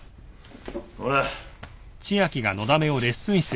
ほら。